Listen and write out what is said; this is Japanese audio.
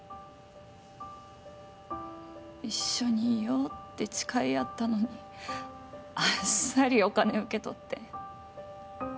一緒にいようって誓い合ったのにあっさりお金受け取って。